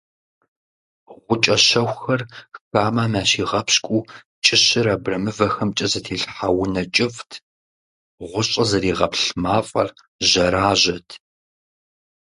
Гъукӏэ щэхухэр хамэм ящигъэпщкӏуу кӏыщыр абрэмывэхэмкӏэ зэтелъхьа унэ кӏыфӏт, гъущӏыр зэригъэплъ мафӏэр жьэражьэт.